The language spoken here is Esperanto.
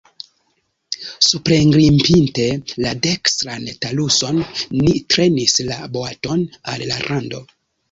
Suprengrimpinte la dekstran taluson, ni trenis la boaton al la rando.